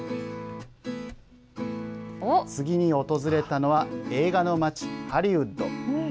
次に訪れたのは映画の街、ハリウッド。